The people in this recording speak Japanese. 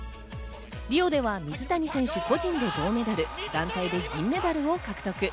リオでは水谷選手個人で銅メダル、団体で銀メダルを獲得。